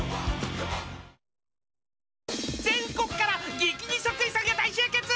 全国から激似そっくりさんが大集結！